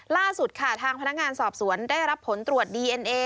ล่าสุดค่ะทางพนักงานสอบสวนได้รับผลตรวจดีเอ็นเอ